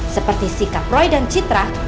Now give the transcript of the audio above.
seperti sikap roy dan citra